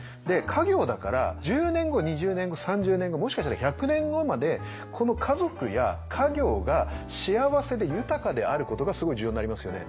家業だから１０年後２０年後３０年後もしかしたら１００年後までこの家族や家業が幸せで豊かであることがすごい重要になりますよね。